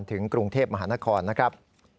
ถึงกรุงเทพมหานครนะครับ